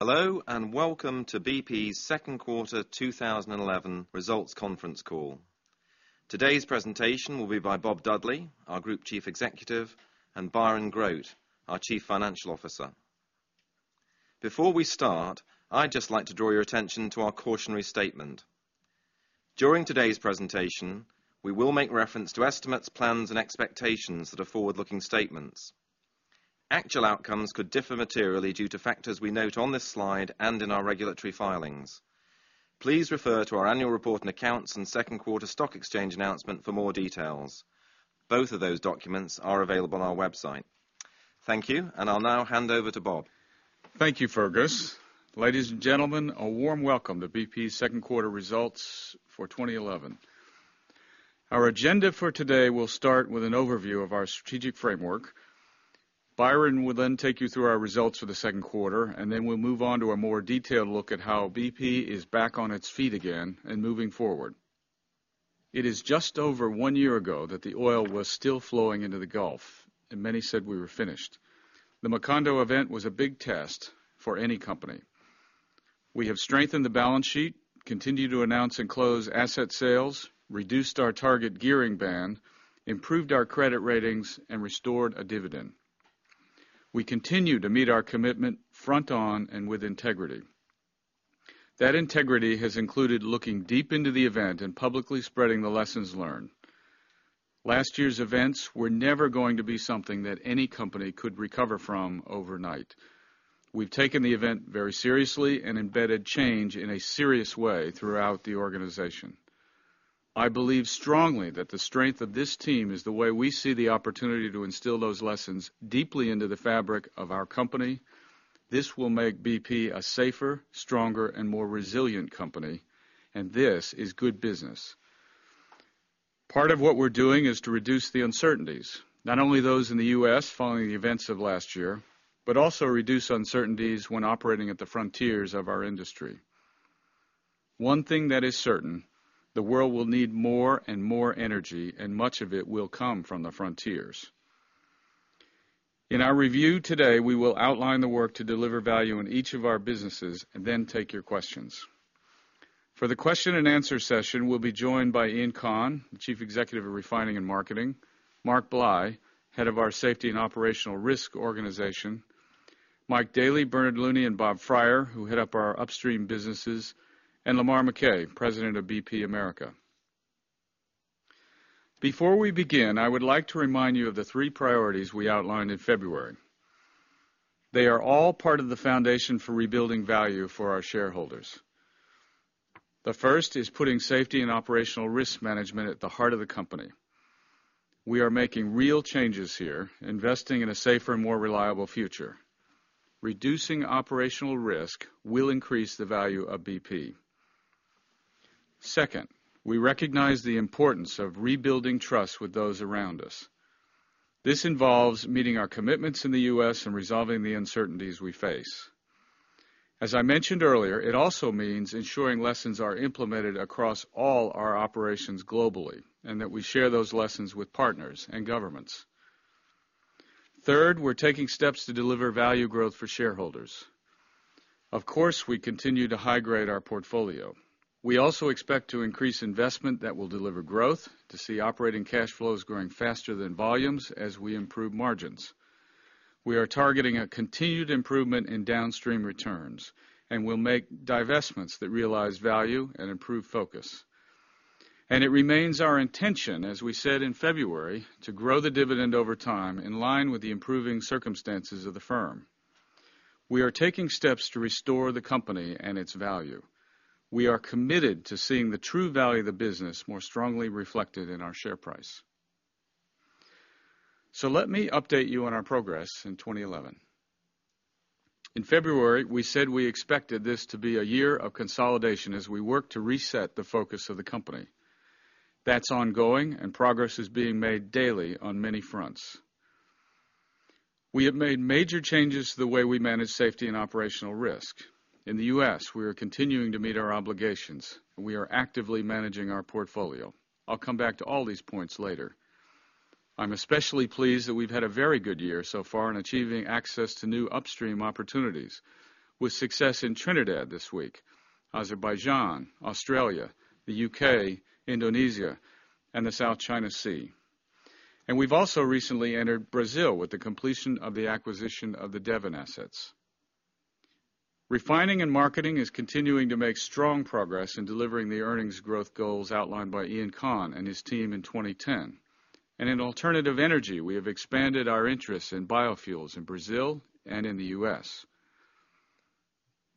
Hello and welcome to BP's Second Quarter 2011 Results Conference Call. Today's presentation will be by Bob Dudley, our group Chief Executive, and Byron Grote, our Chief Financial Officer. Before we start, I'd just like to draw your attention to our cautionary statement. During today's presentation, we will make reference to estimates, plans, and expectations that are forward-looking statements. Actual outcomes could differ materially due to factors we note on this slide and in our regulatory filings. Please refer to our annual report and accounts and second quarter stock exchange announcement for more details. Both of those documents are available on our website. Thank you, and I'll now hand over to Bob. Thank you, Fergus. Ladies and gentlemen, a warm welcome to BP's Second Quarter Results for 2011. Our agenda for today will start with an overview of our strategic framework. Byron will then take you through our results for the second quarter, and then we'll move on to a more detailed look at how BP is back on its feet again and moving forward. It is just over one year ago that the oil was still flowing into the Gulf, and many said we were finished. The Macondo incident was a big test for any company. We have strengthened the balance sheet, continued to announce and close asset sales, reduced our target gearing band, improved our credit ratings, and restored a dividend. We continue to meet our commitment front on and with integrity. That integrity has included looking deep into the event and publicly spreading the lessons learned. Last year's events were never going to be something that any company could recover from overnight. We've taken the event very seriously and embedded change in a serious way throughout the organization. I believe strongly that the strength of this team is the way we see the opportunity to instill those lessons deeply into the fabric of our company. This will make BP a safer, stronger, and more resilient company, and this is good business. Part of what we're doing is to reduce the uncertainties, not only those in the U.S. following the events of last year, but also reduce uncertainties when operating at the frontiers of our industry. One thing that is certain: the world will need more and more energy, and much of it will come from the frontiers. In our review today, we will outline the work to deliver value in each of our businesses and then take your questions. For the question and answer session, we'll be joined by Iain Conn, Chief Executive of Refining and Marketing; Mark Bly, Head of our Safety & Operational Risk Organization; Mike Daly, Bernard Looney, and Bob Fryar, who head up our upstream businesses; and Lamar McKay, President of BP America. Before we begin, I would like to remind you of the three priorities we outlined in February. They are all part of the foundation for rebuilding value for our shareholders. The first is putting Safety & Operational Risk Management at the heart of the company. We are making real changes here, investing in a safer and more reliable future. Reducing operational risk will increase the value of BP. Second, we recognize the importance of rebuilding trust with those around us. This involves meeting our commitments in the U.S. and resolving the uncertainties we face. As I mentioned earlier, it also means ensuring lessons are implemented across all our operations globally and that we share those lessons with partners and governments. Third, we're taking steps to deliver value growth for shareholders. Of course, we continue to high-grade our portfolio. We also expect to increase investment that will deliver growth, to see operating cash flows growing faster than volumes as we improve margins. We are targeting a continued improvement in downstream returns and will make divestments that realize value and improve focus. It remains our intention, as we said in February, to grow the dividend over time in line with the improving circumstances of the firm. We are taking steps to restore the company and its value. We are committed to seeing the true value of the business more strongly reflected in our share price. Let me update you on our progress in 2011. In February, we said we expected this to be a year of consolidation as we work to reset the focus of the company. That's ongoing, and progress is being made daily on many fronts. We have made major changes to the way we manage safety and operational risk. In the U.S., we are continuing to meet our obligations, and we are actively managing our portfolio. I'll come back to all these points later. I'm especially pleased that we've had a very good year so far in achieving access to new upstream opportunities, with success in Trinidad this week, Azerbaijan, Australia, the U.K., Indonesia, and the South China Sea. We've also recently entered Brazil with the completion of the acquisition of the Devon assets. Refining and marketing is continuing to make strong progress in delivering the earnings growth goals outlined by Iain Conn and his team in 2010. In alternative energy, we have expanded our interest in biofuels in Brazil and in the U.S.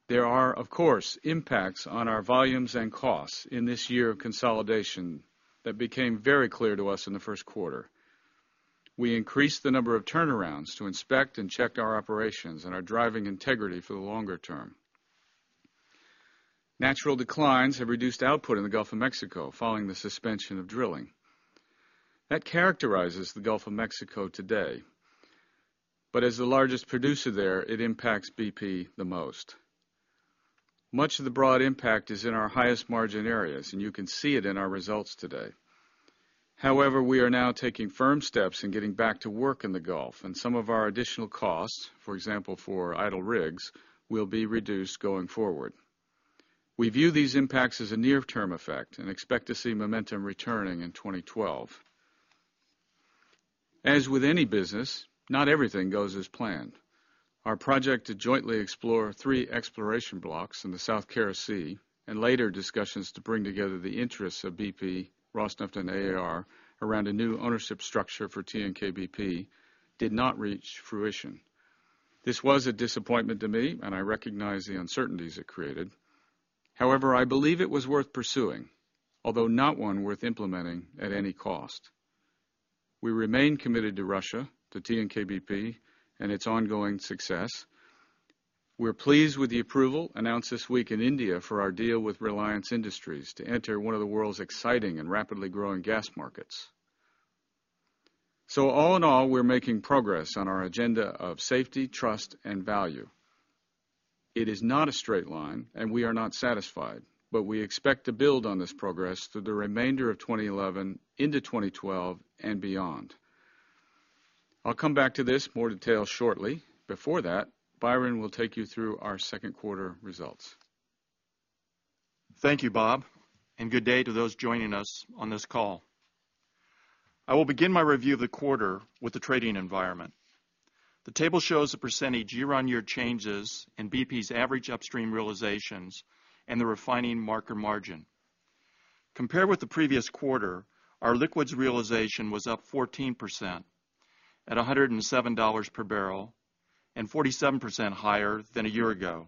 There are, of course, impacts on our volumes and costs in this year of consolidation that became very clear to us in the first quarter. We increased the number of turnarounds to inspect and check our operations and are driving integrity for the longer term. Natural declines have reduced output in the Gulf of Mexico following the suspension of drilling. That characterizes the Gulf of Mexico today. As the largest producer there, it impacts BP the most. Much of the broad impact is in our highest margin areas, and you can see it in our results today. However, we are now taking firm steps in getting back to work in the Gulf, and some of our additional costs, for example, for idle rigs, will be reduced going forward. We view these impacts as a near-term effect and expect to see momentum returning in 2012. As with any business, not everything goes as planned. Our project to jointly explore three exploration blocks in the South Kara Sea and later discussions to bring together the interests of BP, Rosneft, and AAR around a new ownership structure for TNK-BP did not reach fruition. This was a disappointment to me, and I recognize the uncertainties it created. However, I believe it was worth pursuing, although not one worth implementing at any cost. We remain committed to Russia, to TNK-BP, and its ongoing success. We're pleased with the approval announced this week in India for our deal with Reliance Industries to enter one of the world's exciting and rapidly growing gas markets. All in all, we're making progress on our agenda of safety, trust, and value. It is not a straight line, and we are not satisfied, but we expect to build on this progress through the remainder of 2011 into 2012 and beyond. I'll come back to this in more detail shortly. Before that, Byron will take you through our second quarter results. Thank you, Bob, and good day to those joining us on this call. I will begin my review of the quarter with the trading environment. The table shows the percentage year-on-year changes in BP's average upstream realizations and the refining marker margin. Compared with the previous quarter, our liquids realization was up 14% at $107 per barrel and 47% higher than a year ago.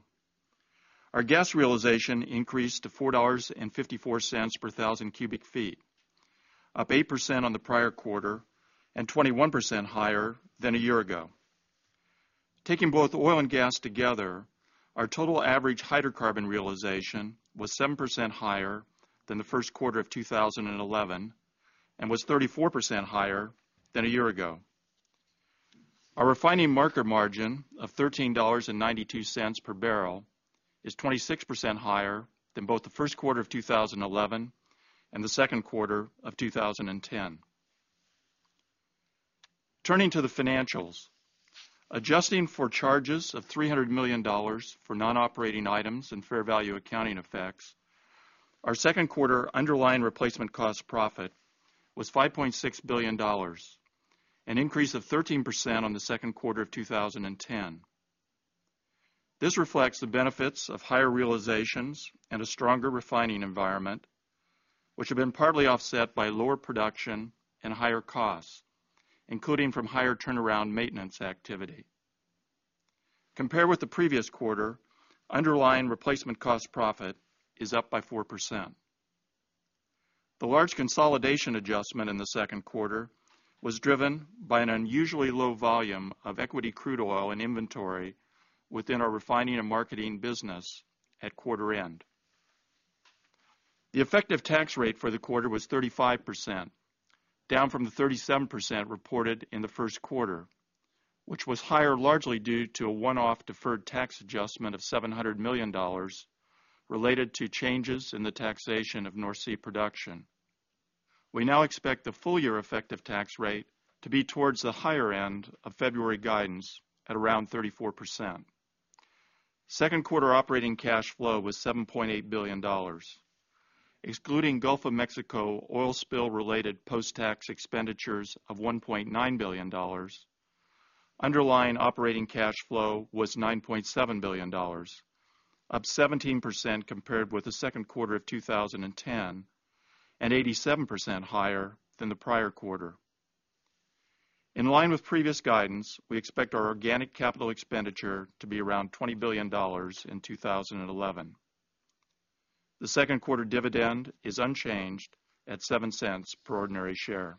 Our gas realization increased to $4.54 per thousand cubic feet, up 8% on the prior quarter and 21% higher than a year ago. Taking both oil and gas together, our total average hydrocarbon realization was 7% higher than the first quarter of 2011 and was 34% higher than a year ago. Our refining market margin of $13.92 per barrel is 26% higher than both the first quarter of 2011 and the second quarter of 2010. Turning to the financials, adjusting for charges of $300 million for non-operating items and fair value accounting effects, our second quarter underlying replacement cost profit was $5.6 billion, an increase of 13% on the second quarter of 2010. This reflects the benefits of higher realizations and a stronger refining environment, which have been partly offset by lower production and higher costs, including from higher turnaround maintenance activity. Compared with the previous quarter, underlying replacement cost profit is up by 4%. The large consolidation adjustment in the second quarter was driven by an unusually low volume of equity crude oil in inventory within our refining and marketing business at quarter end. The effective tax rate for the quarter was 35%, down from the 37% reported in the first quarter, which was higher largely due to a one-off deferred tax adjustment of $700 million related to changes in the taxation of North Sea production. We now expect the full-year effective tax rate to be towards the higher end of February guidance at around 34%. Second quarter operating cash flow was $7.8 billion, excluding Gulf of Mexico oil spill-related post-tax expenditures of $1.9 billion. Underlying operating cash flow was $9.7 billion, up 17% compared with the second quarter of 2010 and 87% higher than the prior quarter. In line with previous guidance, we expect our organic capital expenditure to be around $20 billion in 2011. The second quarter dividend is unchanged at $0.07 per ordinary share.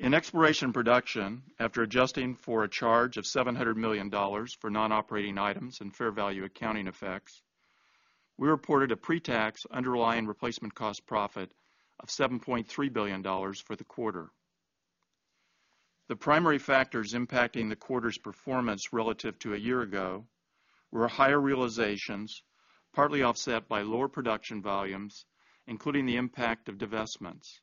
In exploration production, after adjusting for a charge of $700 million for non-operating items and fair value accounting effects, we reported a pre-tax underlying replacement cost profit of $7.3 billion for the quarter. The primary factors impacting the quarter's performance relative to a year ago were higher realizations, partly offset by lower production volumes, including the impact of divestments.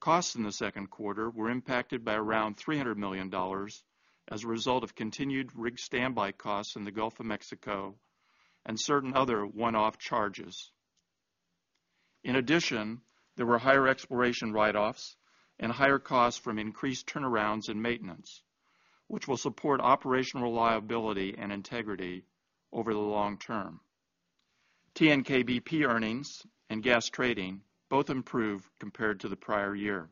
Costs in the second quarter were impacted by around $300 million as a result of continued rig standby costs in the Gulf of Mexico and certain other one-off charges. In addition, there were higher exploration write-offs and higher costs from increased turnarounds and maintenance, which will support operational reliability and integrity over the long term. TNK-BP earnings and gas trading both improved compared to the prior year.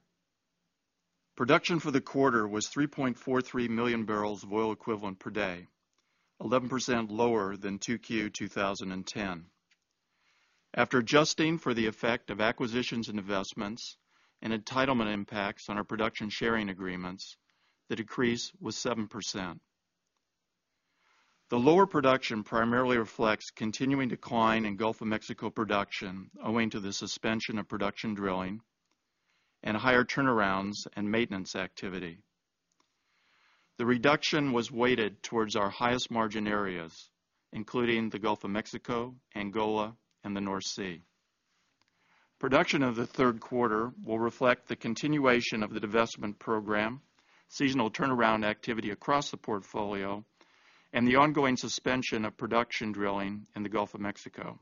Production for the quarter was 3.43 MMbpd of oil, 11% lower than 2Q 2010. After adjusting for the effect of acquisitions and investments and entitlement impacts on our production sharing agreements, the decrease was 7%. The lower production primarily reflects continuing decline in Gulf of Mexico production owing to the suspension of production drilling and higher turnarounds and maintenance activity. The reduction was weighted towards our highest margin areas, including the Gulf of Mexico, Angola, and the North Sea. Production of the third quarter will reflect the continuation of the divestment program, seasonal turnaround activity across the portfolio, and the ongoing suspension of production drilling in the Gulf of Mexico.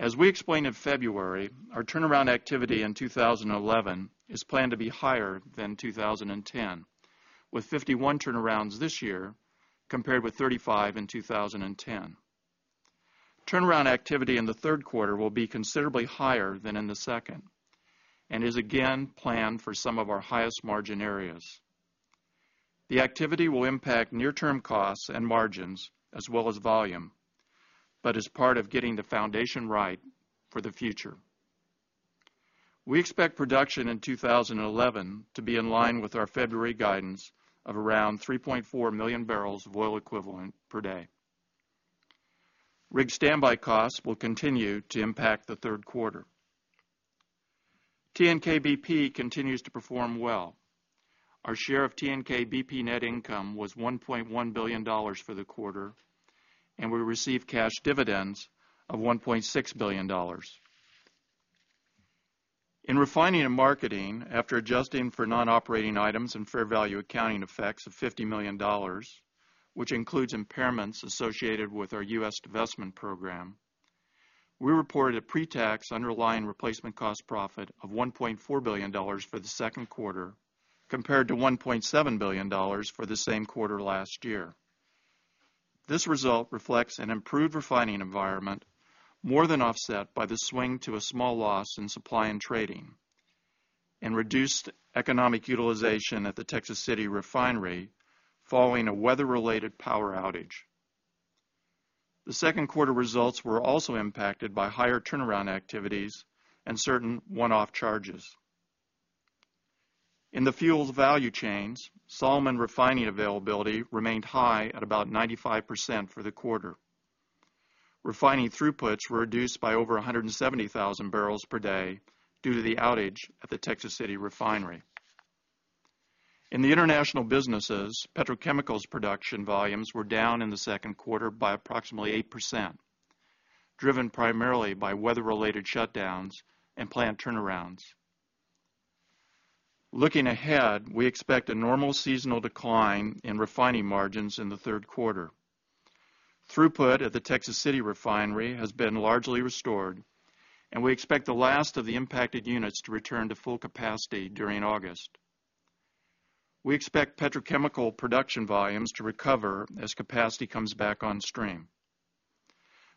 As we explained in February, our turnaround activity in 2011 is planned to be higher than 2010, with 51 turnarounds this year compared with 35 in 2010. Turnaround activity in the third quarter will be considerably higher than in the second and is again planned for some of our highest margin areas. The activity will impact near-term costs and margins as well as volume, but is part of getting the foundation right for the future. We expect production in 2011 to be in line with our February guidance of around 3.4 MMbpd of oil. Rig standby costs will continue to impact the third quarter. TNK-BP continues to perform well. Our share of TNK-BP net income was $1.1 billion for the quarter, and we received cash dividends of $1.6 billion. In refining and marketing, after adjusting for non-operating items and fair value accounting effects of $50 million, which includes impairments associated with our U.S. divestment program, we reported a pre-tax underlying replacement cost profit of $1.4 billion for the second quarter compared to $1.7 billion for the same quarter last year. This result reflects an improved refining environment, more than offset by the swing to a small loss in supply and trading and reduced economic utilization at the Texas City refinery following a weather-related power outage. The second quarter results were also impacted by higher turnaround activities and certain one-off charges. In the fuel value chains, Solomon refining availability remained high at about 95% for the quarter. Refining throughputs were reduced by over 170,000 bbl per day due to the outage at the Texas City refinery. In the international businesses, petrochemicals production volumes were down in the second quarter by approximately 8%, driven primarily by weather-related shutdowns and plant turnarounds. Looking ahead, we expect a normal seasonal decline in refining margins in the third quarter. Throughput at the Texas City refinery has been largely restored, and we expect the last of the impacted units to return to full capacity during August. We expect petrochemical production volumes to recover as capacity comes back on stream.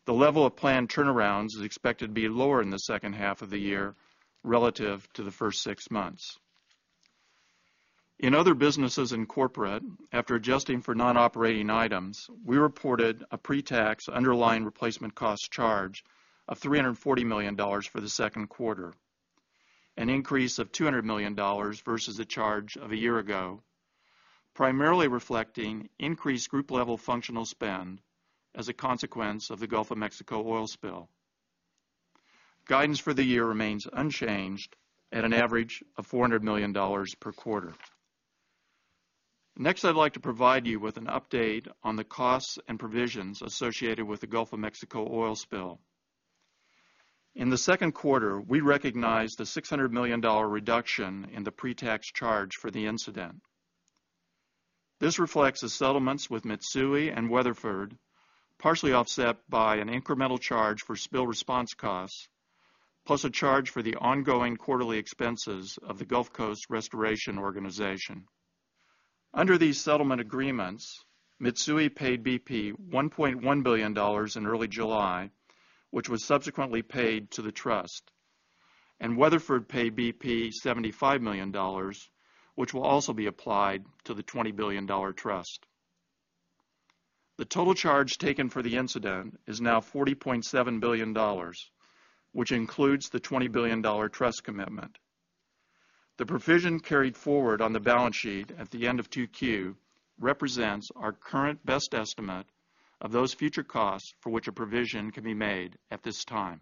The level of planned turnarounds is expected to be lower in the second half of the year relative to the first six months. In other businesses and corporate, after adjusting for non-operating items, we reported a pre-tax underlying replacement cost charge of $340 million for the second quarter, an increase of $200 million versus the charge of a year ago, primarily reflecting increased group-level functional spend as a consequence of the Gulf of Mexico oil spill. Guidance for the year remains unchanged at an average of $400 million per quarter. Next, I'd like to provide you with an update on the costs and provisions associated with the Gulf of Mexico oil spill. In the second quarter, we recognized a $600 million reduction in the pre-tax charge for the incident. This reflects the settlements with Mitsui and Weatherford, partially offset by an incremental charge for spill response costs, plus a charge for the ongoing quarterly expenses of the Gulf Coast Restoration Organization. Under these settlement agreements, Mitsui paid BP $1.1 billion in early July, which was subsequently paid to the trust, and Weatherford paid BP $75 million, which will also be applied to the $20 billion trust. The total charge taken for the incident is now $40.7 billion, which includes the $20 billion trust commitment. The provision carried forward on the balance sheet at the end of 2Q represents our current best estimate of those future costs for which a provision can be made at this time.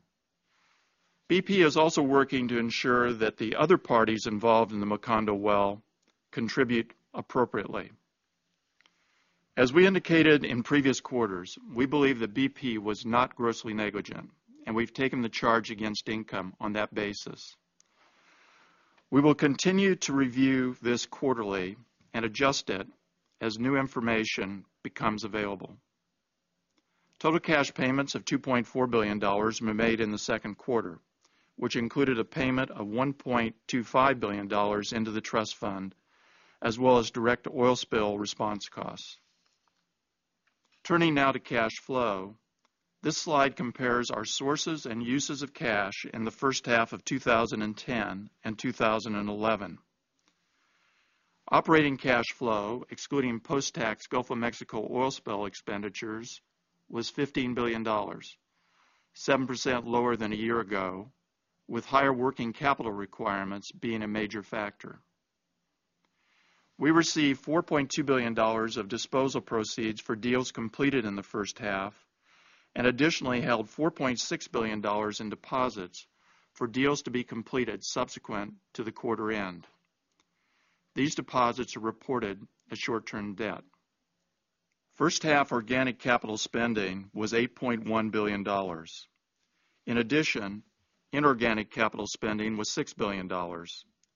BP is also working to ensure that the other parties involved in the Macondo well contribute appropriately. As we indicated in previous quarters, we believe that BP was not grossly negligent, and we've taken the charge against income on that basis. We will continue to review this quarterly and adjust it as new information becomes available. Total cash payments of $2.4 billion were made in the second quarter, which included a payment of $1.25 billion into the trust fund, as well as direct oil spill response costs. Turning now to cash flow, this slide compares our sources and uses of cash in the first half of 2010 and 2011. Operating cash flow, excluding post-tax Gulf of Mexico oil spill expenditures, was $15 billion, 7% lower than a year ago, with higher working capital requirements being a major factor. We received $4.2 billion of disposal proceeds for deals completed in the first half and additionally held $4.6 billion in deposits for deals to be completed subsequent to the quarter end. These deposits are reported as short-term debt. First half organic capital spending was $8.1 billion. In addition, inorganic capital spending was $6 billion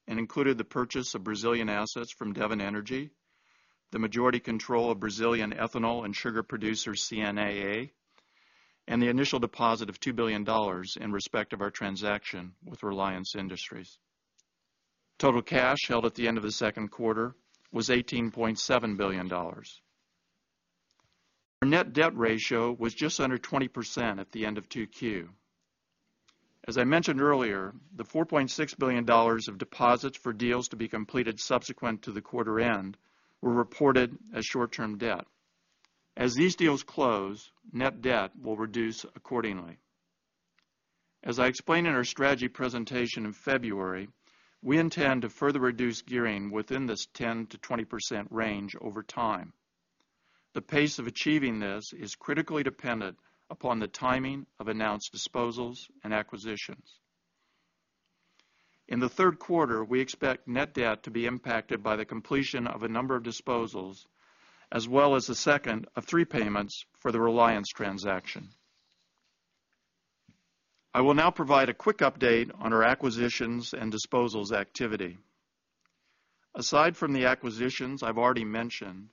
and included the purchase of Brazilian assets from Devon Energy, the majority control of Brazilian ethanol and sugar producer CNAA, and the initial deposit of $2 billion in respect of our transaction with Reliance Industries. Total cash held at the end of the second quarter was $18.7 billion. Our net debt ratio was just under 20% at the end of 2Q. As I mentioned earlier, the $4.6 billion of deposits for deals to be completed subsequent to the quarter end were reported as short-term debt. As these deals close, net debt will reduce accordingly. As I explained in our strategy presentation in February, we intend to further reduce gearing within this 10%-20% range over time. The pace of achieving this is critically dependent upon the timing of announced disposals and acquisitions. In the third quarter, we expect net debt to be impacted by the completion of a number of disposals, as well as a second of three payments for the Reliance transaction. I will now provide a quick update on our acquisitions and disposals activity. Aside from the acquisitions I've already mentioned,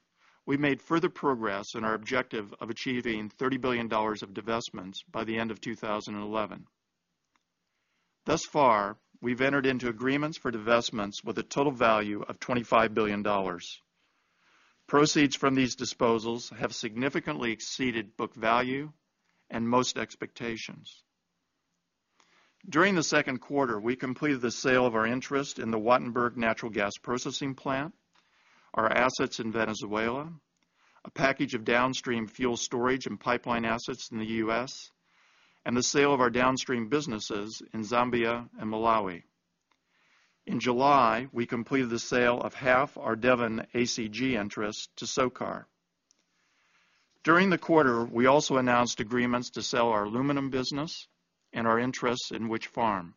we made further progress in our objective of achieving $30 billion of divestments by the end of 2011. Thus far, we've entered into agreements for divestments with a total value of $25 billion. Proceeds from these disposals have significantly exceeded book value and most expectations. During the second quarter, we completed the sale of our interest in the Wattenberg natural gas processing plant, our assets in Venezuela, a package of downstream fuel storage and pipeline assets in the U.S., and the sale of our downstream businesses in Zambia and Malawi. In July, we completed the sale of half our Devon ACG interest to SOCAR. During the quarter, we also announced agreements to sell our aluminum business and our interest in Wytch Farm.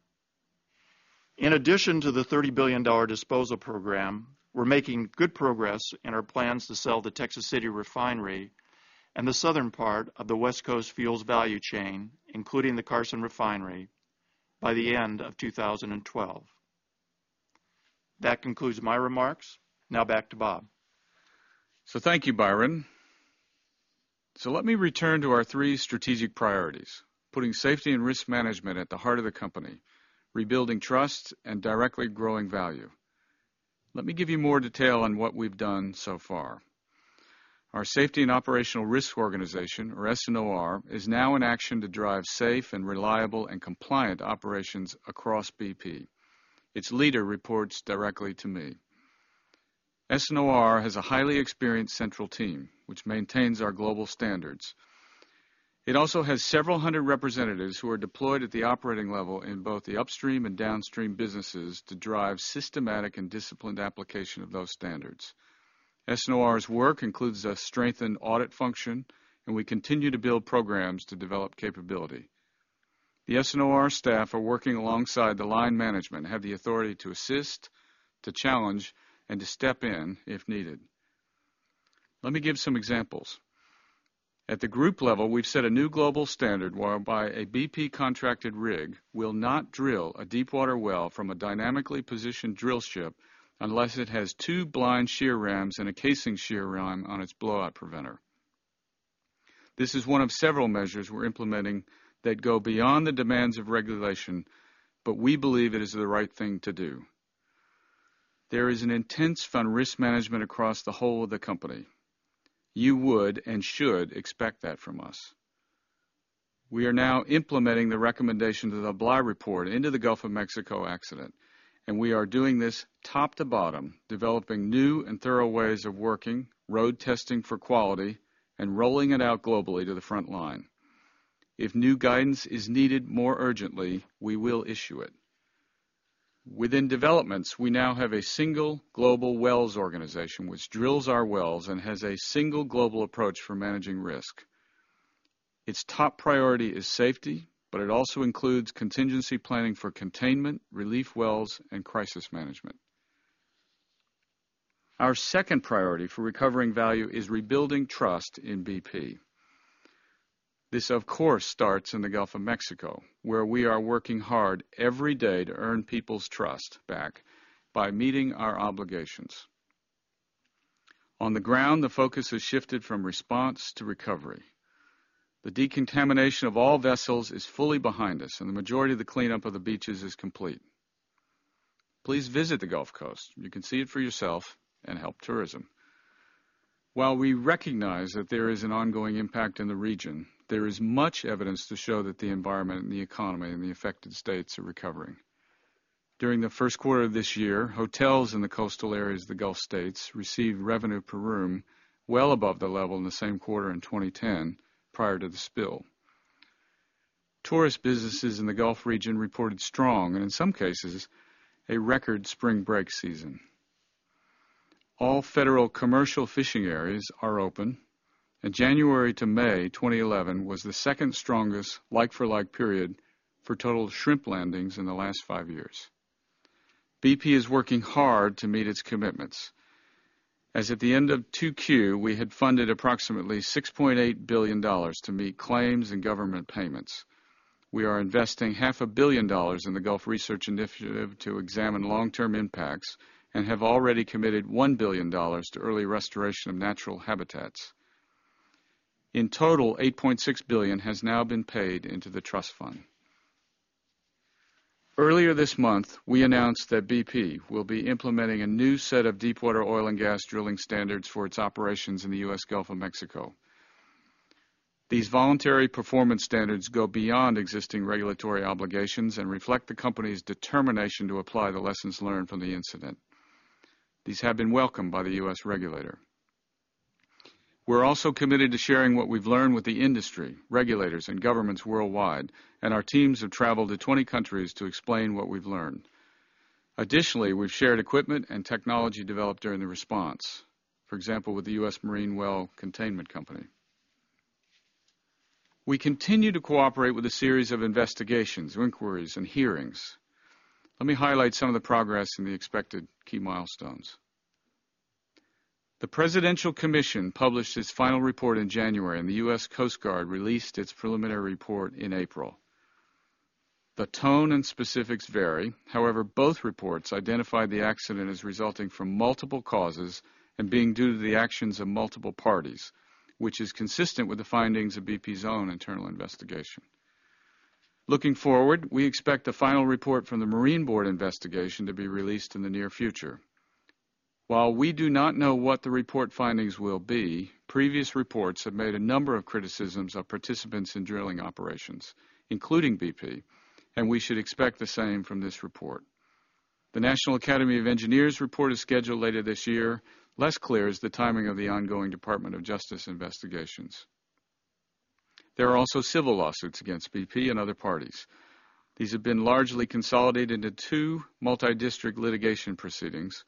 In addition to the $30 billion divestment program, we're making good progress in our plans to sell the Texas City Refinery and the southern part of the West Coast fuels value chain, including the Carson refinery, by the end of 2012. That concludes my remarks. Now back to Bob. Thank you, Byron. Let me return to our three strategic priorities: putting safety and risk management at the heart of the company, rebuilding trust, and directly growing value. Let me give you more detail on what we've done so far. Our Safety & Operational Risk organization, or S&OR, is now in action to drive safe, reliable, and compliant operations across BP. Its leader reports directly to me. S&OR has a highly experienced central team, which maintains our global standards. It also has several hundred representatives who are deployed at the operating level in both the upstream and downstream businesses to drive systematic and disciplined application of those standards. S&OR's work includes a strengthened audit function, and we continue to build programs to develop capability. The S&OR staff are working alongside the line management and have the authority to assist, to challenge, and to step in if needed. Let me give some examples. At the group level, we've set a new global standard whereby a BP-contracted rig will not drill a deepwater well from a dynamically positioned drill ship unless it has two blind shear rams and a casing shear ram on its blowout preventer. This is one of several measures we're implementing that go beyond the demands of regulation, but we believe it is the right thing to do. There is an intense focus on risk management across the whole of the company. You would and should expect that from us. We are now implementing the recommendations of the Bly report into the Gulf of Mexico accident, and we are doing this top-to-bottom, developing new and thorough ways of working, road testing for quality, and rolling it out globally to the front line. If new guidance is needed more urgently, we will issue it. Within developments, we now have a single Global Wells Organization, which drills our wells and has a single global approach for managing risk. Its top priority is safety, but it also includes contingency planning for containment, relief wells, and crisis management. Our second priority for recovering value is rebuilding trust in BP. This, of course, starts in the Gulf of Mexico, where we are working hard every day to earn people's trust back by meeting our obligations. On the ground, the focus has shifted from response to recovery. The decontamination of all vessels is fully behind us, and the majority of the cleanup of the beaches is complete. Please visit the Gulf Coast. You can see it for yourself and help tourism. While we recognize that there is an ongoing impact in the region, there is much evidence to show that the environment and the economy in the affected states are recovering. During the first quarter of this year, hotels in the coastal areas of the Gulf states received revenue per room well above the level in the same quarter in 2010 prior to the spill. Tourist businesses in the Gulf region reported strong and, in some cases, a record spring break season. All federal commercial fishing areas are open, and January to May 2011 was the second strongest like-for-like period for total shrimp landings in the last five years. BP is working hard to meet its commitments. As at the end of 2Q, we had funded approximately $6.8 billion to meet claims and government payments. We are investing $500 million dollars in the Gulf Research Initiative to examine long-term impacts and have already committed $1 billion to early restoration of natural habitats. In total, $8.6 billion has now been paid into the Trust Fund. Earlier this month, we announced that BP will be implementing a new set of deepwater oil and gas drilling standards for its operations in the U.S. Gulf of Mexico. These voluntary performance standards go beyond existing regulatory obligations and reflect the company's determination to apply the lessons learned from the incident. These have been welcomed by the U.S. regulator. We're also committed to sharing what we've learned with the industry, regulators, and governments worldwide, and our teams have traveled to 20 countries to explain what we've learned. Additionally, we've shared equipment and technology developed during the response, for example, with the U.S. Marine Well Containment Company. We continue to cooperate with a series of investigations, inquiries, and hearings. Let me highlight some of the progress and the expected key milestones. The Presidential Commission published its final report in January, and the U.S. Coast Guard released its preliminary report in April. The tone and specifics vary, however, both reports identified the accident as resulting from multiple causes and being due to the actions of multiple parties, which is consistent with the findings of BP's own internal investigation. Looking forward, we expect the final report from the Marine Board investigation to be released in the near future. While we do not know what the report findings will be, previous reports have made a number of criticisms of participants in drilling operations, including BP, and we should expect the same from this report. The National Academy of Engineers' report is scheduled later this year. Less clear is the timing of the ongoing Department of Justice investigations. There are also civil lawsuits against BP and other parties. These have been largely consolidated into two multi-district litigation proceedings,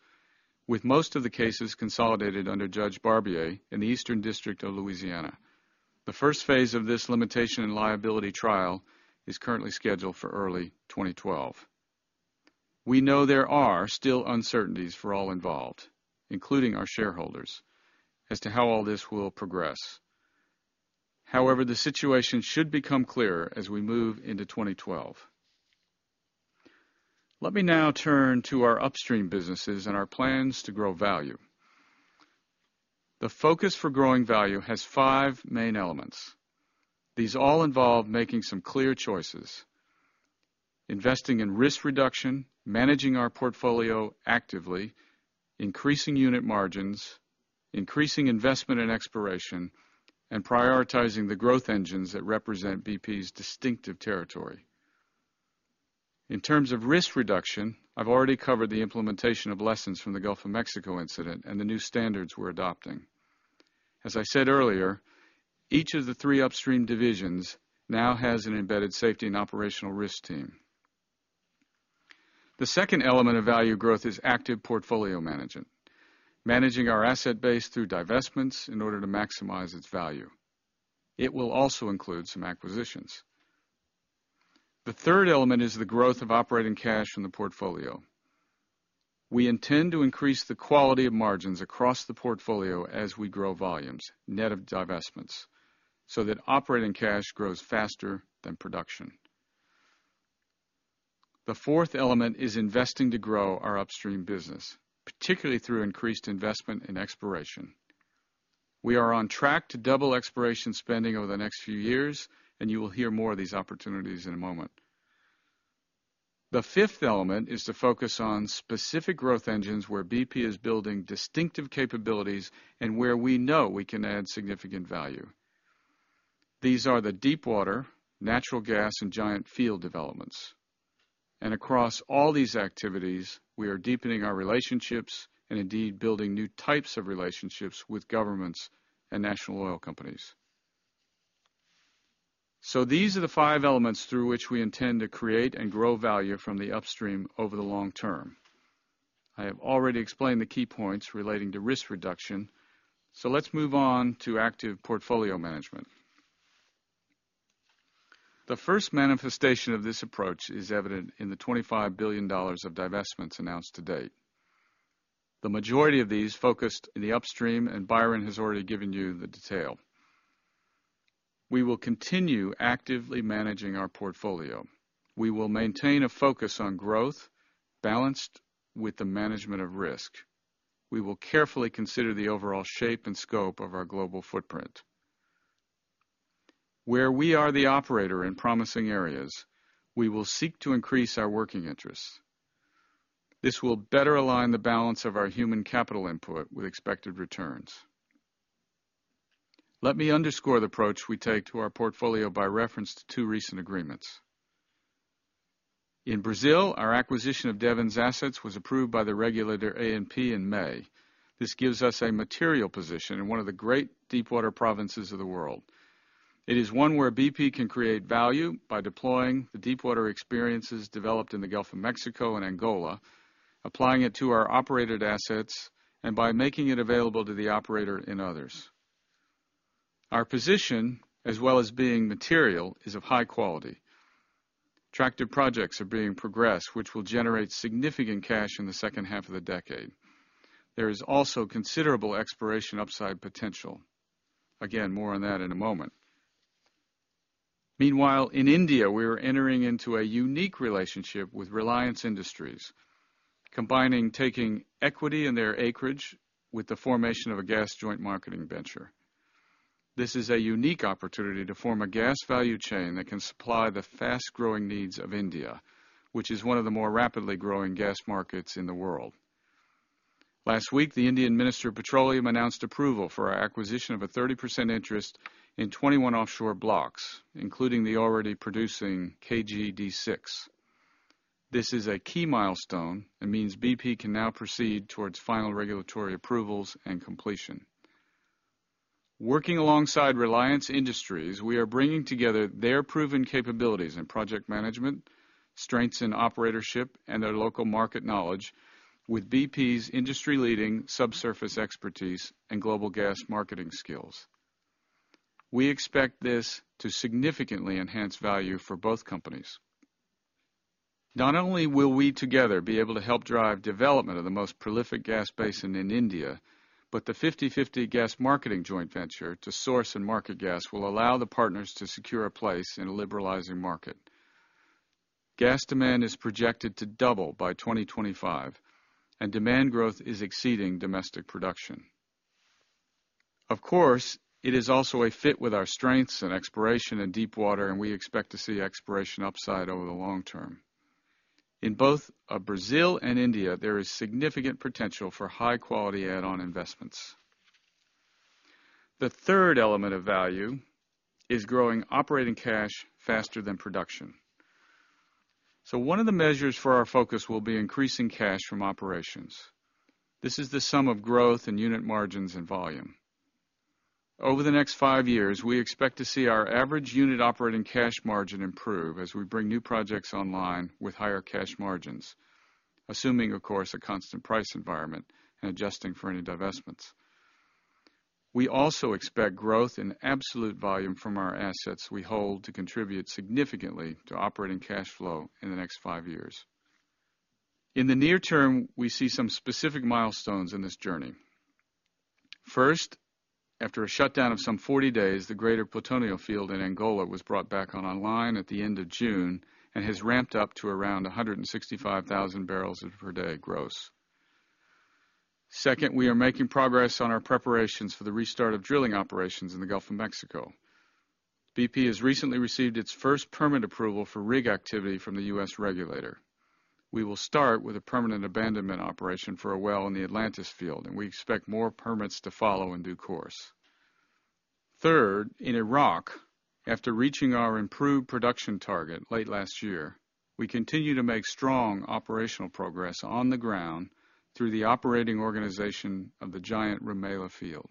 with most of the cases consolidated under Judge Barbier in the Eastern District of Louisiana. The first phase of this Limitation and Liability trial is currently scheduled for early 2012. We know there are still uncertainties for all involved, including our shareholders, as to how all this will progress. However, the situation should become clearer as we move into 2012. Let me now turn to our upstream businesses and our plans to grow value. The focus for growing value has five main elements. These all involve making some clear choices, investing in risk reduction, managing our portfolio actively, increasing unit margins, increasing investment and exploration, and prioritizing the growth engines that represent BP's distinctive territory. In terms of risk reduction, I've already covered the implementation of lessons from the Gulf of Mexico incident and the new standards we're adopting. As I said earlier, each of the three upstream divisions now has an embedded Safety & Operational Risk team. The second element of value growth is active portfolio management, managing our asset base through divestments in order to maximize its value. It will also include some acquisitions. The third element is the growth of operating cash from the portfolio. We intend to increase the quality of margins across the portfolio as we grow volumes, net of divestments, so that operating cash grows faster than production. The fourth element is investing to grow our upstream business, particularly through increased investment and exploration. We are on track to double exploration spending over the next few years, and you will hear more of these opportunities in a moment. The fifth element is to focus on specific growth engines where BP is building distinctive capabilities and where we know we can add significant value. These are the deepwater, natural gas, and giant field developments. Across all these activities, we are deepening our relationships and indeed building new types of relationships with governments and national oil companies. These are the five elements through which we intend to create and grow value from the upstream over the long term. I have already explained the key points relating to risk reduction, so let's move on to active portfolio management. The first manifestation of this approach is evident in the $25 billion of divestments announced to date. The majority of these focused in the upstream, and Byron has already given you the detail. We will continue actively managing our portfolio. We will maintain a focus on growth balanced with the management of risk. We will carefully consider the overall shape and scope of our global footprint. Where we are the operator in promising areas, we will seek to increase our working interests. This will better align the balance of our human capital input with expected returns. Let me underscore the approach we take to our portfolio by reference to two recent agreements. In Brazil, our acquisition of Devon's assets was approved by the regulator ANP in May. This gives us a material position in one of the great deepwater provinces of the world. It is one where BP can create value by deploying the deepwater experiences developed in the Gulf of Mexico and Angola, applying it to our operated assets, and by making it available to the operator in others. Our position, as well as being material, is of high quality. Attractive projects are being progressed, which will generate significant cash in the second half of the decade. There is also considerable exploration upside potential. More on that in a moment. Meanwhile, in India, we are entering into a unique relationship with Reliance Industries, combining taking equity in their acreage with the formation of a gas joint marketing venture. This is a unique opportunity to form a gas value chain that can supply the fast-growing needs of India, which is one of the more rapidly growing gas markets in the world. Last week, the Indian Minister of Petroleum announced approval for our acquisition of a 30% interest in 21 offshore blocks, including the already producing KG-D6. This is a key milestone and means BP can now proceed towards final regulatory approvals and completion. Working alongside Reliance Industries, we are bringing together their proven capabilities in project management, strengths in operatorship, and their local market knowledge with BP's industry-leading subsurface expertise and global gas marketing skills. We expect this to significantly enhance value for both companies. Not only will we together be able to help drive development of the most prolific gas basin in India, but the 50/50 gas marketing joint venture to source and market gas will allow the partners to secure a place in a liberalizing market. Gas demand is projected to double by 2025, and demand growth is exceeding domestic production. Of course, it is also a fit with our strengths and exploration in deepwater, and we expect to see exploration upside over the long term. In both Brazil and India, there is significant potential for high-quality add-on investments. The third element of value is growing operating cash faster than production. One of the measures for our focus will be increasing cash from operations. This is the sum of growth in unit margins and volume. Over the next five years, we expect to see our average unit operating cash margin improve as we bring new projects online with higher cash margins, assuming, of course, a constant price environment and adjusting for any divestments. We also expect growth in absolute volume from our assets we hold to contribute significantly to operating cash flow in the next five years. In the near term, we see some specific milestones in this journey. First, after a shutdown of some 40 days, the Greater Plutonio field in Angola was brought back online at the end of June and has ramped up to around 165,000 bbl per day gross. Second, we are making progress on our preparations for the restart of drilling operations in the Gulf of Mexico. BP has recently received its first permit approval for rig activity from the U.S. regulator. We will start with a permanent abandonment operation for a well in the Atlantis field, and we expect more permits to follow in due course. Third, in Iraq, after reaching our improved production target late last year, we continue to make strong operational progress on the ground through the operating organization of the giant Rumaila field.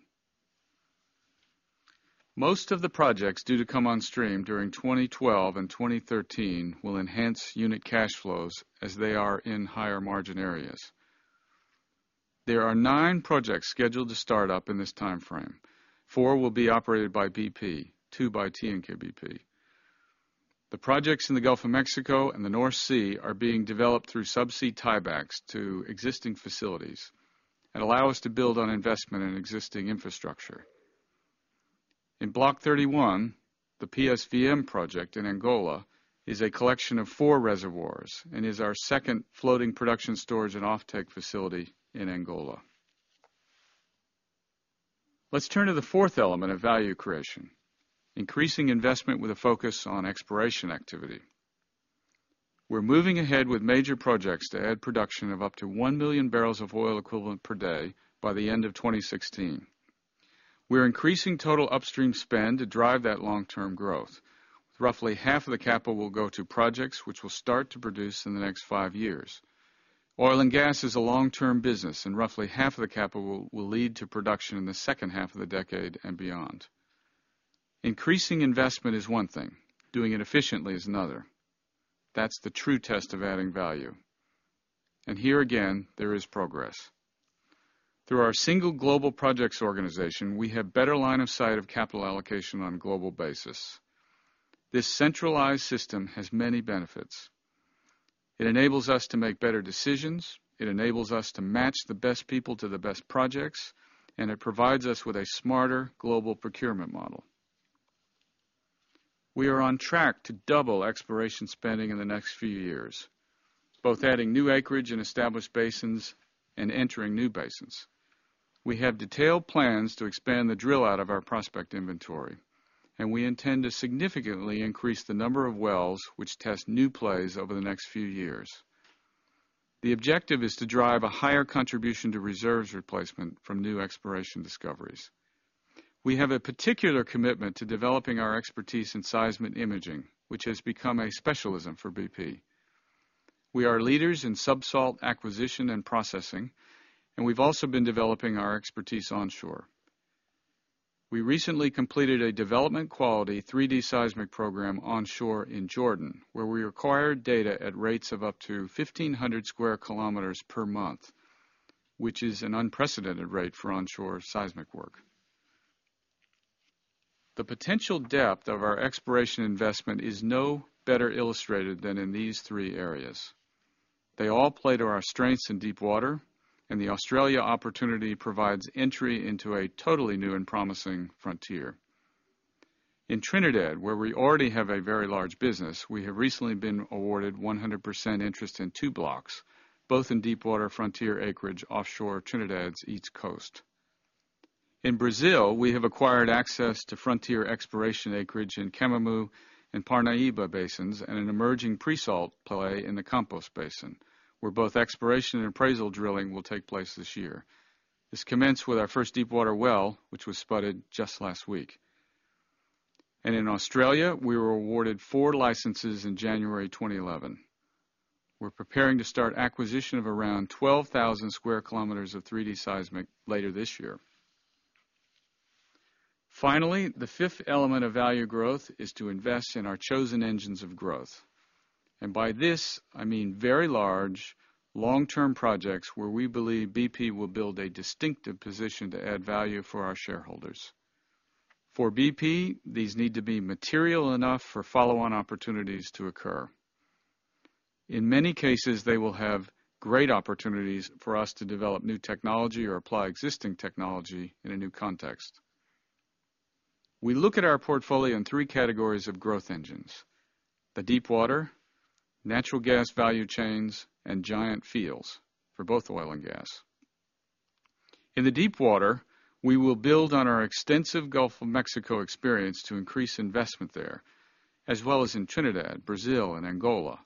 Most of the projects due to come on stream during 2012 and 2013 will enhance unit cash flows as they are in higher margin areas. There are nine projects scheduled to start up in this timeframe. Four will be operated by BP, two by TNK-BP. The projects in the Gulf of Mexico and the North Sea are being developed through subsea tiebacks to existing facilities and allow us to build on investment in existing infrastructure. In Block 31, the PSVM project in Angola is a collection of four reservoirs and is our second Floating Production Storage and Offtake facility in Angola. Let's turn to the fourth element of value creation, increasing investment with a focus on exploration activity. We're moving ahead with major projects to add production of up to 1 MMbpd of oil by the end of 2016. We're increasing total upstream spend to drive that long-term growth. Roughly half of the capital will go to projects which will start to produce in the next five years. Oil and gas is a long-term business, and roughly half of the capital will lead to production in the second half of the decade and beyond. Increasing investment is one thing; doing it efficiently is another. That's the true test of adding value. There is progress. Through our single global projects organization, we have a better line of sight of capital allocation on a global basis. This centralized system has many benefits. It enables us to make better decisions, it enables us to match the best people to the best projects, and it provides us with a smarter global procurement model. We are on track to double exploration spending in the next few years, both adding new acreage in established basins and entering new basins. We have detailed plans to expand the drill out of our prospect inventory, and we intend to significantly increase the number of wells which test new plays over the next few years. The objective is to drive a higher contribution to reserves replacement from new exploration discoveries. We have a particular commitment to developing our expertise in seismic imaging, which has become a specialism for BP. We are leaders in subsalt acquisition and processing, and we've also been developing our expertise onshore. We recently completed a development quality 3D seismic program onshore in Jordan, where we acquired data at rates of up to 1,500 km^2 per month, which is an unprecedented rate for onshore seismic work. The potential depth of our exploration investment is no better illustrated than in these three areas. They all play to our strengths in deepwater, and the Australia opportunity provides entry into a totally new and promising frontier. In Trinidad, where we already have a very large business, we have recently been awarded 100% interest in two blocks, both in deepwater frontier acreage offshore Trinidad's east coast. In Brazil, we have acquired access to frontier exploration acreage in Camamu and Parnaíba basins and an emerging pre-salt play in the Campos Basin, where both exploration and appraisal drilling will take place this year. This commenced with our first deepwater well, which was spudded just last week. In Australia, we were awarded four licenses in January 2011. We're preparing to start acquisition of around 12,000 km^2 of 3D seismic later this year. Finally, the fifth element of value growth is to invest in our chosen engines of growth. By this, I mean very large, long-term projects where we believe BP will build a distinctive position to add value for our shareholders. For BP, these need to be material enough for follow-on opportunities to occur. In many cases, they will have great opportunities for us to develop new technology or apply existing technology in a new context. We look at our portfolio in three categories of growth engines: the deepwater, natural gas value chains, and giant fields for both oil and gas. In the deepwater, we will build on our extensive Gulf of Mexico experience to increase investment there, as well as in Trinidad, Brazil, and Angola.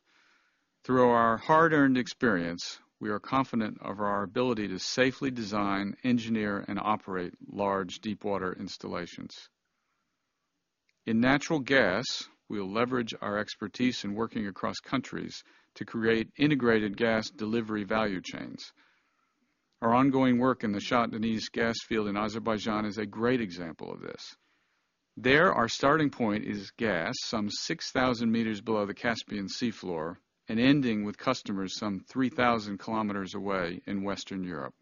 Through our hard-earned experience, we are confident of our ability to safely design, engineer, and operate large deepwater installations. In natural gas, we'll leverage our expertise in working across countries to create integrated gas delivery value chains. Our ongoing work in the Shah Deniz gas field in Azerbaijan is a great example of this. There, our starting point is gas some 6,000 m below the Caspian Sea floor and ending with customers some 3,000 km away in Western Europe.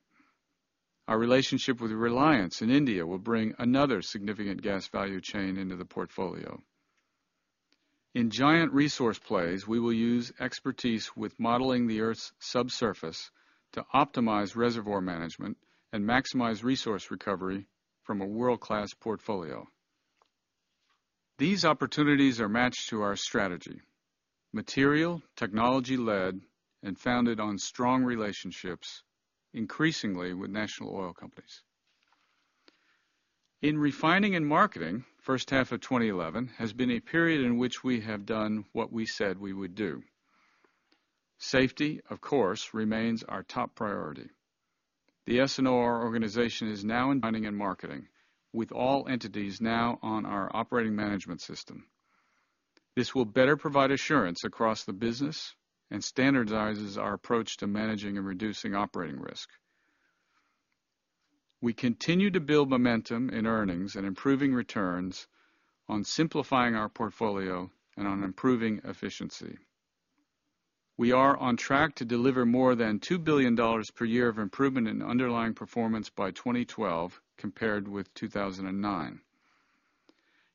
Our relationship with Reliance in India will bring another significant gas value chain into the portfolio. In giant resource plays, we will use expertise with modeling the Earth's subsurface to optimize reservoir management and maximize resource recovery from a world-class portfolio. These opportunities are matched to our strategy: material, technology-led, and founded on strong relationships, increasingly with national oil companies. In refining and marketing, the first half of 2011 has been a period in which we have done what we said we would do. Safety, of course, remains our top priority. The S&OR is now in planning and marketing, with all entities now on our operating management system. This will better provide assurance across the business and standardizes our approach to managing and reducing operating risk. We continue to build momentum in earnings and improving returns on simplifying our portfolio and on improving efficiency. We are on track to deliver more than $2 billion per year of improvement in underlying performance by 2012 compared with 2009,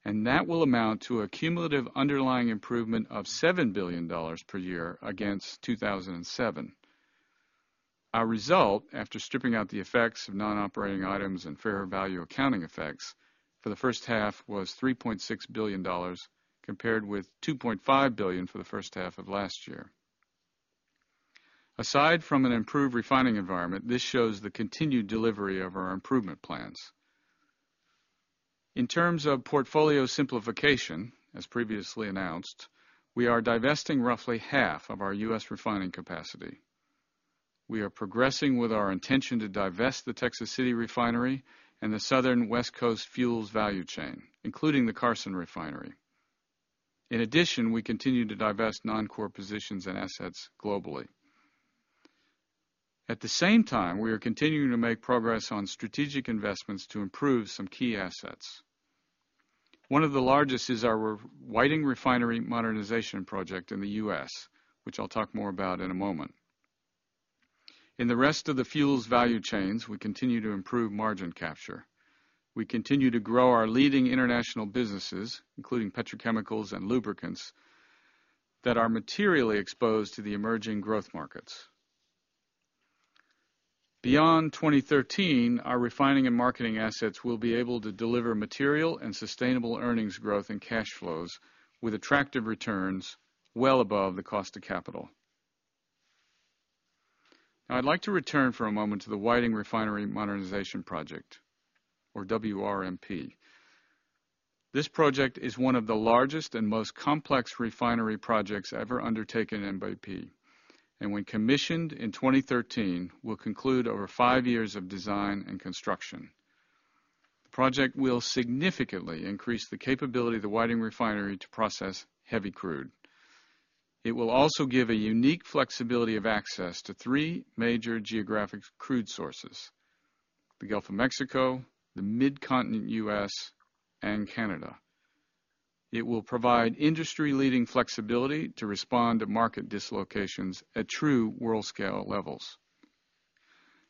and that will amount to a cumulative underlying improvement of $7 billion per year against 2007. Our result, after stripping out the effects of non-operating items and fair value accounting effects for the first half, was $3.6 billion, compared with $2.5 billion for the first half of last year. Aside from an improved refining environment, this shows the continued delivery of our improvement plans. In terms of portfolio simplification, as previously announced, we are divesting roughly half of our U.S. refining capacity. We are progressing with our intention to divest the Texas City refinery and the Southern West Coast Fuels Value Chain, including the Carson refinery. In addition, we continue to divest non-core positions and assets globally. At the same time, we are continuing to make progress on strategic investments to improve some key assets. One of the largest is our Whiting Refinery Modernization project in the U.S., which I'll talk more about in a moment. In the rest of the fuels value chains, we continue to improve margin capture. We continue to grow our leading international businesses, including petrochemicals and lubricants, that are materially exposed to the emerging growth markets. Beyond 2013, our refining and marketing assets will be able to deliver material and sustainable earnings growth and cash flows with attractive returns well above the cost of capital. Now, I'd like to return for a moment to the Whiting Refinery Modernization Project, or WRMP. This project is one of the largest and most complex refinery projects ever undertaken in BP, and when commissioned in 2013, will conclude over five years of design and construction. The project will significantly increase the capability of the Whiting Refinery to process heavy crude. It will also give a unique flexibility of access to three major geographic crude sources: the Gulf of Mexico, the Mid-continent U.S., and Canada. It will provide industry-leading flexibility to respond to market dislocations at true world-scale levels.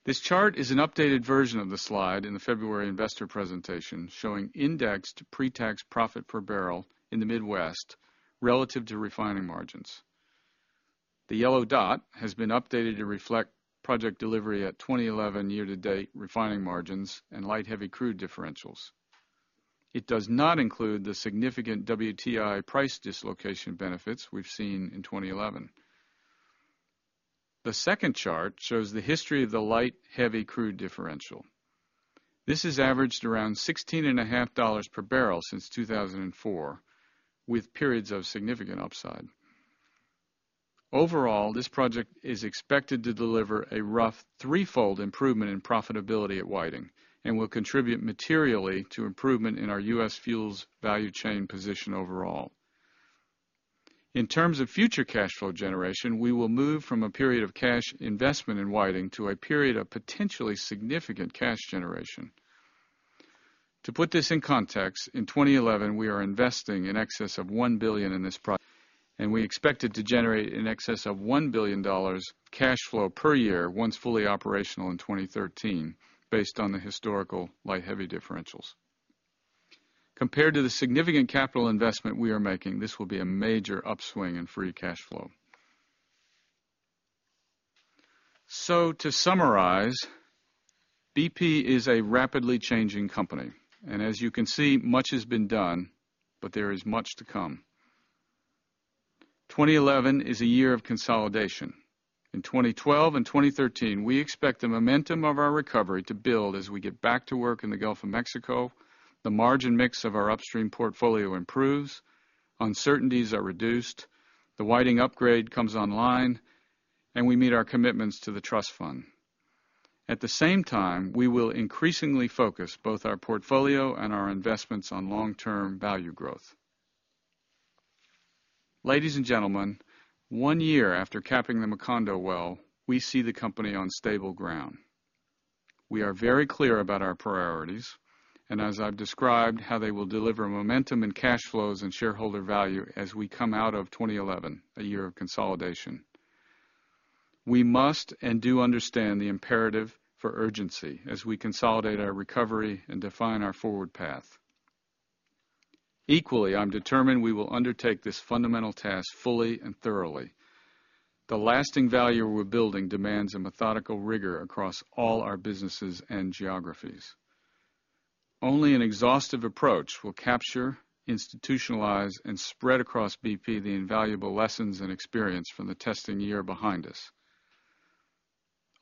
This chart is an updated version of the slide in the February investor presentation showing indexed pre-tax profit per barrel in the Mid West relative to refining margins. The yellow dot has been updated to reflect project delivery at 2011 year-to-date refining margins and light heavy crude differentials. It does not include the significant WTI price dislocation benefits we've seen in 2011. The second chart shows the history of the light heavy crude differential. This has averaged around $16.50 per bbl since 2004, with periods of significant upside. Overall, this project is expected to deliver a rough threefold improvement in profitability at Whiting and will contribute materially to improvement in our U.S. fuels value chain position overall. In terms of future cash flow generation, we will move from a period of cash investment in Whiting to a period of potentially significant cash generation. To put this in context, in 2011, we are investing in excess of $1 billion in this project, and we expect it to generate in excess of $1 billion cash flow per year once fully operational in 2013, based on the historical light heavy differentials. Compared to the significant capital investment we are making, this will be a major upswing in free cash flow. To summarize, BP is a rapidly changing company, and as you can see, much has been done, but there is much to come. 2011 is a year of consolidation. In 2012 and 2013, we expect the momentum of our recovery to build as we get back to work in the Gulf of Mexico, the margin mix of our upstream portfolio improves, uncertainties are reduced, the Whiting upgrade comes online, and we meet our commitments to the trust fund. At the same time, we will increasingly focus both our portfolio and our investments on long-term value growth. Ladies and gentlemen, one year after capping the Macondo well, we see the company on stable ground. We are very clear about our priorities, and as I've described how they will deliver momentum in cash flows and shareholder value as we come out of 2011, a year of consolidation, we must and do understand the imperative for urgency as we consolidate our recovery and define our forward path. Equally, I'm determined we will undertake this fundamental task fully and thoroughly. The lasting value we're building demands a methodical rigor across all our businesses and geographies. Only an exhaustive approach will capture, institutionalize, and spread across BP the invaluable lessons and experience from the testing year behind us.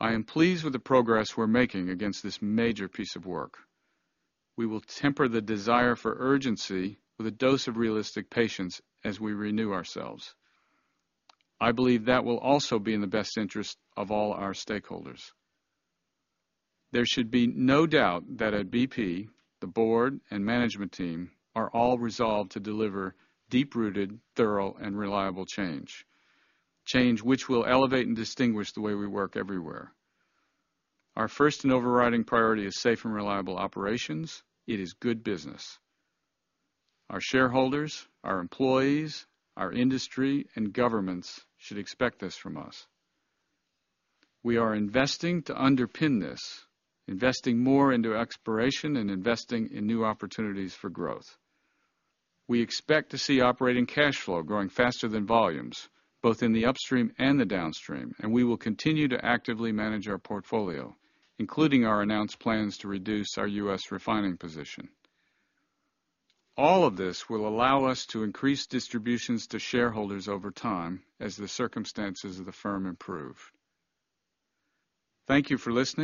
I am pleased with the progress we're making against this major piece of work. We will temper the desire for urgency with a dose of realistic patience as we renew ourselves. I believe that will also be in the best interest of all our stakeholders. There should be no doubt that at BP, the Board and management team are all resolved to deliver deep-rooted, thorough, and reliable change, change which will elevate and distinguish the way we work everywhere. Our first and overriding priority is safe and reliable operations. It is good business. Our shareholders, our employees, our industry, and governments should expect this from us. We are investing to underpin this, investing more into exploration and investing in new opportunities for growth. We expect to see operating cash flow growing faster than volumes, both in the upstream and the downstream, and we will continue to actively manage our portfolio, including our announced plans to reduce our U.S. refining position. All of this will allow us to increase distributions to shareholders over time as the circumstances of the firm improve. Thank you for listening.